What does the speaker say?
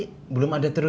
tidak ada yang ngerti